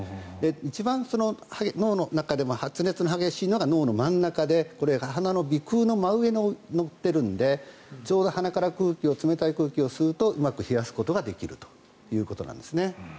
一番、脳の中でも発熱が激しいのが脳の真ん中でこれが鼻の鼻腔の真上に乗っているのでちょうど鼻から冷たい空気を吸うとうまく冷やすことができるということなんです。